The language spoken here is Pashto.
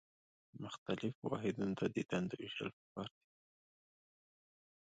مختلفو واحدونو ته د دندو ویشل پکار دي.